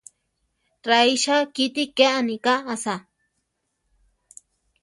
Raícha kíti ke aníka asá!